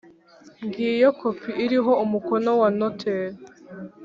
ngiyo kopi iriho umukono wa noteri